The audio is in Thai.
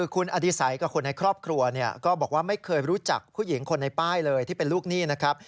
คุณอดิสัยกับคนในครอบครัวก็บอกว่าไม่เคยรู้จักผู้หญิงคนในป้ายเลยที่เป็นลูกหนี้นะครับ